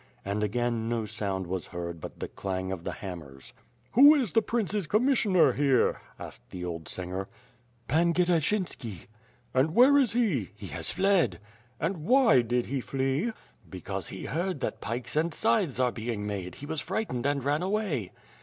And again, no sound was heard but the clang of the ham mers. '^Who is the prince's commissioner here," asked the old einger. "Pan Gdeshinski." 266 ^/^TH PIRB AND SWORD. "And where is he?'* "He has fled.'* "And why did he flee?'* "Because he heard that pikes and 'scythes are being made, he was frightened and ran away."